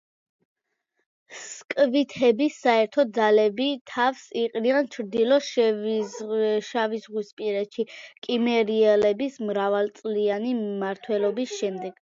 სკვითების საერთო ძალები თავს იყრიან ჩრდილო შავიზღვისპირეთში, კიმერიელების მრავალწლიანი მმართველობის შემდეგ.